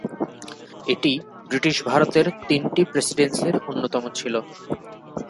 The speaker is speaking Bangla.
এটি ব্রিটিশ ভারতের তিনটি প্রেসিডেন্সির অন্যতম ছিল।